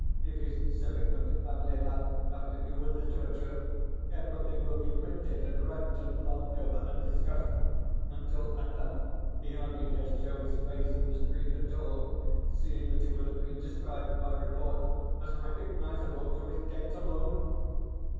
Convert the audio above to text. If his civic and family life have to do with literature, everything will be printed and read and laughed over and discussed; until at length, he hardly dare show his face in the street at all, seeing that he will have been described by report as recognisable through his gait alone!